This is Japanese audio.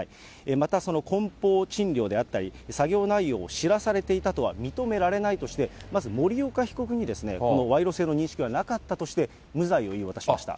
また、そのこん包賃料であったり、作業内容を知らされていたとは認められないとして、まず森岡被告にこの賄賂性の認識はなかったとして、無罪を言い渡しました。